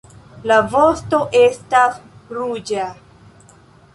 La vosto estas ruĝa.